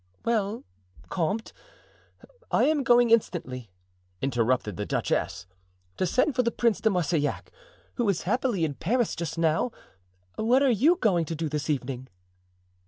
"Well, comte, I am going instantly," interrupted the duchess, "to send for the Prince de Marsillac, who is happily, in Paris just now. What are you going to do this evening?"